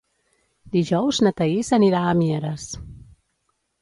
Dijous na Thaís anirà a Mieres.